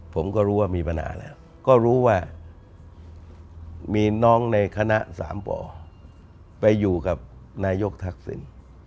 ผมก็รู้ว่ามีปัญหาแล้วก็รู้ว่ามีน้องในคณะสามป่อไปอยู่กับนายกทักษิณ